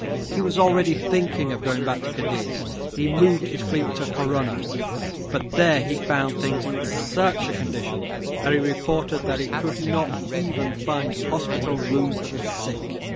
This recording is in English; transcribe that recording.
He was already thinking of going back to Cadiz. He moved his fleet to Corunna, but there he found things in such a condition that he reported that he could not even find hospital room for the sick.